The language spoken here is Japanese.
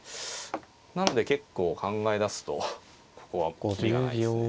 なので結構考え出すとここは切りがないですね。